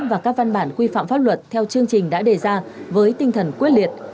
và các văn bản quy phạm pháp luật theo chương trình đã đề ra với tinh thần quyết liệt